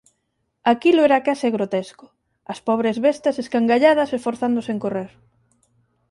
Aquilo era case que grotesco: as pobres bestas escangalladas esforzándose en correr.